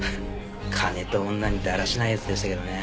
金と女にだらしない奴でしたけどね。